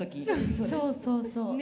そうそうそう。